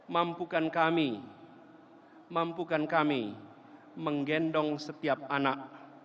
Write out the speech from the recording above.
mampukan kami mampukan kami menggendong setiap anak